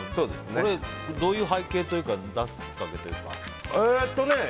これ、どういう背景というか出すきっかけというか。